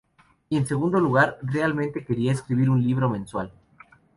Y en segundo lugar, realmente quería escribir un libro mensual".